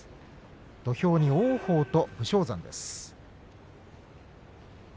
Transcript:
土俵に王鵬と武将山。